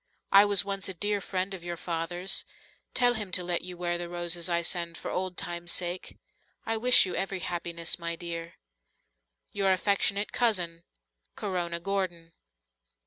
I was once a dear friend of your father's. Tell him to let you wear the roses I send for old times' sake. I wish you every happiness, my dear. "Your affectionate cousin, "Corona Gordon."